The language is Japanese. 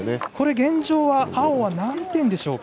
現状は青は何点でしょうか。